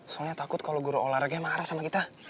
soalnya takut kalau guru olahraga marah sama kita